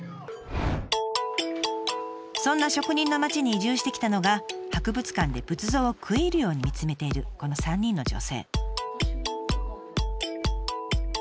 そんな職人の町に移住してきたのが博物館で仏像を食い入るように見つめているこの３人の女性。